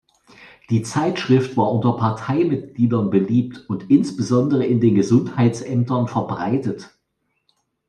Die Zeitschrift war unter Parteimitgliedern beliebt und insbesondere in den Gesundheitsämtern verbreitet.